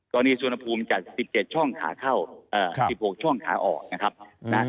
ตอนนี้สุวรรณภูมิจาก๑๗ช่องขาเข้า๑๖ช่องขาออกนะครับนะ